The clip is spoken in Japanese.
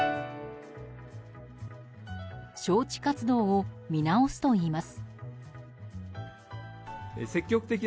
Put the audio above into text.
招致活動を見直すといいます。